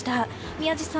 宮司さん